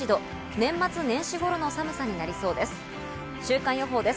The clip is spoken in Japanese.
年末年始頃の寒さになりそうです。